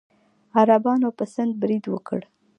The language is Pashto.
عربانو په سند برید وکړ.